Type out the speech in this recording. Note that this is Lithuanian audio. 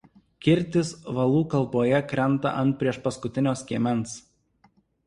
Kirtis valų kalboje krenta ant priešpaskutinio skiemens.